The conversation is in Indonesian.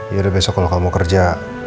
yaudah besok kalau kamu kerja